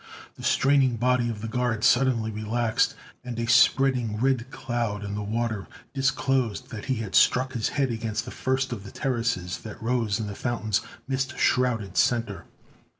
The straining body of the guard suddenly relaxed, and a spreading red cloud in the water disclosed that he had struck his head against the first of the terraces that rose in the fountain's mist shrouded center.